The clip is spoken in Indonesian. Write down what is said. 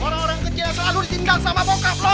orang orang kecil yang selalu ditindak sama bokap lo